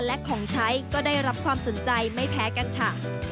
และของใช้ก็ได้รับความสนใจไม่แพ้กันค่ะ